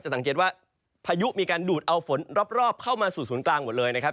สังเกตว่าพายุมีการดูดเอาฝนรอบเข้ามาสู่ศูนย์กลางหมดเลยนะครับ